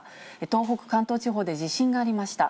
東北、関東地方で地震がありました。